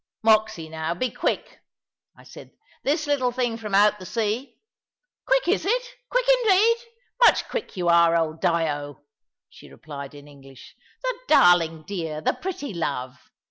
"Moxy, now be quick," I said; "this little thing from out the sea " "Quick is it? Quick indeed! Much quick you are, old Dyo!" she replied in English. "The darling dear, the pretty love!"